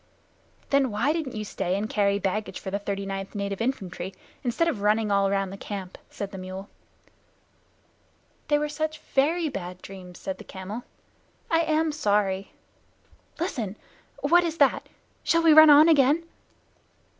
"Then why didn't you stay and carry baggage for the 39th Native Infantry, instead of running all round the camp?" said the mule. "They were such very bad dreams," said the camel. "I am sorry. Listen! What is that? Shall we run on again?"